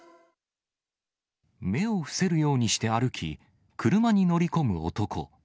目をふせるようにして歩き、車に乗り込む男。